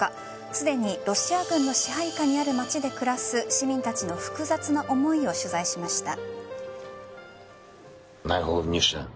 すでにロシア軍の支配下にある町で暮らす市民たちの複雑な思いを取材しました。